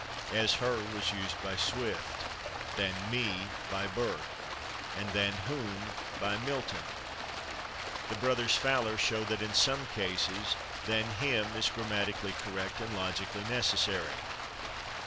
"As /her/" was used by Swift, "than /me/" by Burke, and "than /whom/" by Milton. The brothers Fowler show that, in some cases, "than /him/," is grammatically correct and logically necessary.